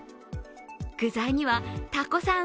具材にはタコさん